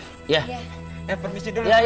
eh permisi dulu